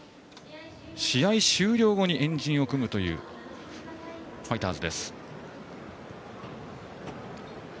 試合終了後に円陣を組むというファイターズです。